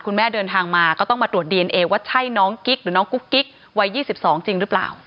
เดินทางมาก็ต้องมาตรวจดีเอนเอว่าใช่น้องกิ๊กหรือน้องกุ๊กกิ๊กวัย๒๒จริงหรือเปล่า